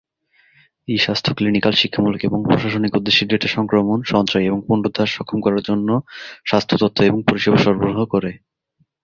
ই-স্বাস্থ্য clinical, শিক্ষামূলক এবং প্রশাসনিক উদ্দেশ্যে ডেটা সংক্রমণ, সঞ্চয় এবং পুনরুদ্ধার সক্ষম করার জন্য স্বাস্থ্য তথ্য এবং পরিষেবা সরবরাহ করে।